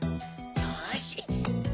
よし。